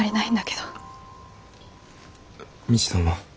未知さんは？